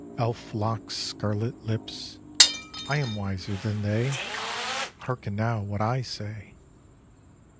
Elf locks, scarlet lips, I am wiser than they. Hearken now what I say